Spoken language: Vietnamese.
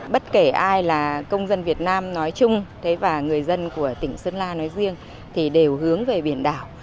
bất kể ai là công dân việt nam nói chung và người dân của tỉnh sơn la nói riêng thì đều hướng về biển đảo